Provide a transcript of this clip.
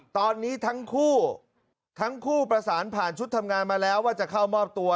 ตอนนี้ทั้งคู่ทั้งคู่ประสานผ่านชุดทำงานมาแล้วว่าจะเข้ามอบตัว